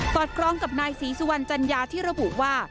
อดคล้องกับนายศรีสุวรรณจัญญาที่ระบุว่า